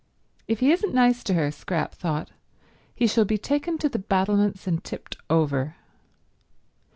"If he isn't nice to her," Scrap thought, "he shall be taken to the battlements and tipped over."